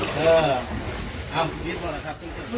สวัสดีครับ